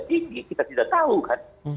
tinggi kita tidak tahu kan